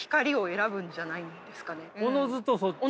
おのずとそっちに？